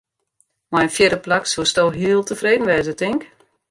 Mei in fjirde plak soesto heel tefreden wêze, tink?